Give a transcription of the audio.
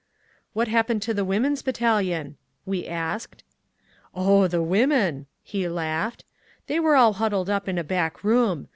"What happened to the Women's Battalion?" we asked. "Oh—the women!" He laughed. "They were all huddled up in a back room.